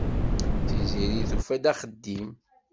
Tiziri tufa-d axeddim.